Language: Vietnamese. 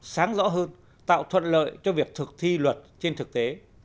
sáng rõ hơn tạo thuận lợi cho việc thực thi luật trên thực tế